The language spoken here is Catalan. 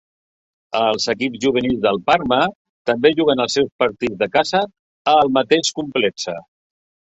Els equips juvenils del Parma també juguen els seus partits de casa al mateix complexe.